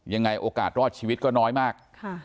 ยังไงโอกาสรอดชีวิตก็น้อยมาก